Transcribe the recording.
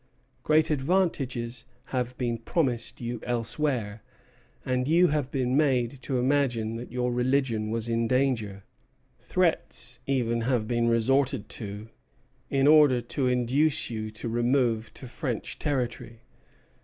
Great advantages have been promised you elsewhere, and you have been made to imagine that your religion was in danger. Threats even have been resorted to in order to induce you to remove to French territory.